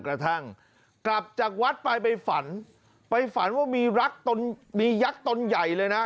กระทั่งกลับจากวัดไปไปฝันไปฝันว่ามีรักตนมียักษ์ตนใหญ่เลยนะ